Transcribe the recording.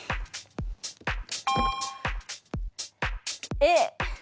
Ａ。